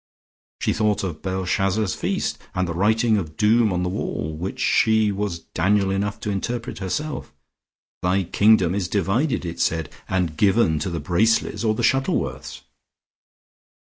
She thought of Belshazzar's feast, and the writing of doom on the wall which she was Daniel enough to interpret herself, "Thy kingdom is divided" it said, "and given to the Bracelys or the Shuttleworths."